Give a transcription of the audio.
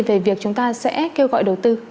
về việc chúng ta sẽ kêu gọi đầu tư